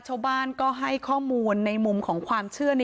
พระเจ้าที่อยู่ในเมืองของพระเจ้า